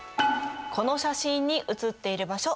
この写真に写っている場所